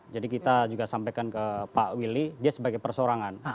jadi kita juga sampaikan ke pak willy dia sebagai persorangan